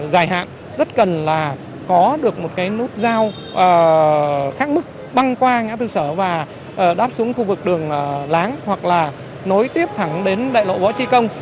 dài hạn rất cần là có được một cái nút giao khác mức băng qua ngã tư sở và đáp xuống khu vực đường láng hoặc là nối tiếp thẳng đến đại lộ võ trí công